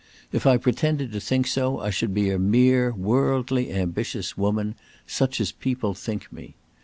If I pretended to think so, I should be a mere worldly, ambitious woman, such as people think me.